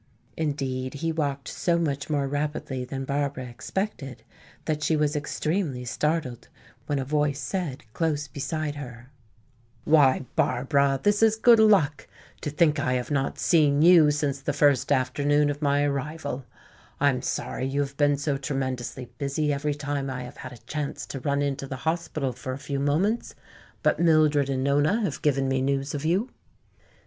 Indeed, he walked so much more rapidly than Barbara expected that she was extremely startled when a voice said close beside her: "Why, Barbara, this is good luck. To think I have not seen you since the first afternoon of my arrival! I'm sorry you have been so tremendously busy every time I have had a chance to run into the hospital for a few moments. But Mildred and Nona have given me news of you."